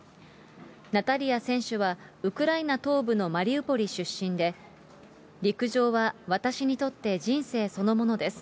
ナタリア選手はウクライナ東部のマリウポリ出身で、陸上は私にとって人生そのものです。